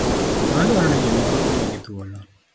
Mano dwaroni jonyuol omigi thuolo